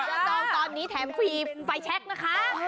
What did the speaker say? จะต้องตอนนี้แถมคุยไฟแชคนะคะ